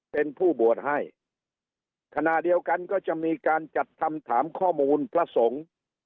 เป็นผู้บวชให้ขณะเดียวกันก็จะมีการจัดทำถามข้อมูลพระสงฆ์